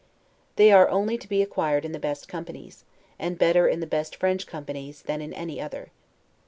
They are only to be acquired in the best companies, and better in the best French companies than in any other.